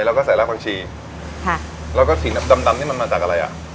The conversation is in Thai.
แล้วก็ใส่รากผักชีค่ะแล้วก็สีดำดำนี่มันมาจากอะไรอ่ะ